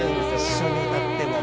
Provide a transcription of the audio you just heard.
一緒に歌っても。